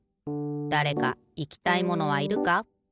だれかいきたいものはいるか？